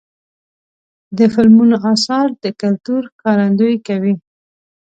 د فلمونو اثار د کلتور ښکارندویي کوي.